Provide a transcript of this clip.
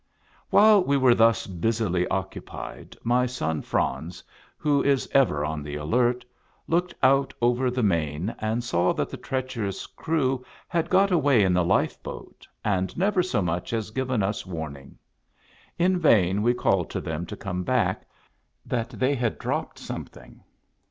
While we were thus busily occupied, my son Franz, who is ever on the alert, looked out over the main and saw that the treacherous crew had got away in the life boat, and never so much as given us warning. In vain we called to them to come back, that they had dropped something.